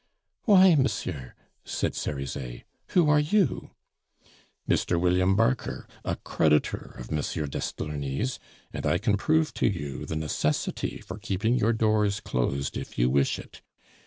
"Why, monsieur?" said Cerizet. "Who are you?" "Mr. William Barker, a creditor of M. d'Estourny's; and I can prove to you the necessity for keeping your doors closed if you wish it.